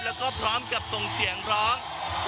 แล้วก็พร้อมกับส่งเสียงร้อง